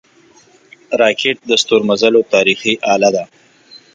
راکټ د ستورمزلو تاریخي اله ده